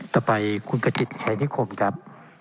ต่อไปคุณกระจิตชัยนิคมครับ